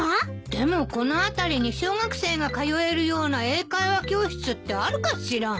でもこの辺りに小学生が通えるような英会話教室ってあるかしら。